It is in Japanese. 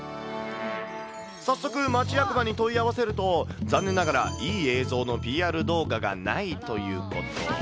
早速、町役場に問い合わせると、残念ながらいい映像のＰＲ動画がないということ。